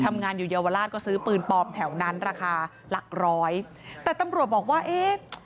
ทำงานอยู่เยาวราชก็ซื้อปืนปลอมแถวนั้นราคาหลักร้อยแต่ตำรวจบอกว่าเอ๊ะ